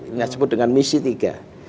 ini yang disebut dengan misi tiga